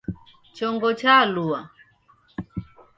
Chongo chalua